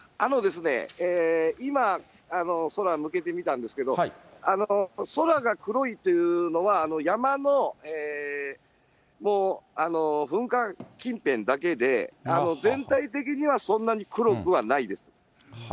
今、空、向けてみたんですけど、空が黒いっていうのは、山の噴火近辺だけで、全体的にはそんなに黒くはないです。